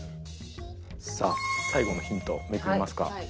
さあ最後のヒントめくりますか。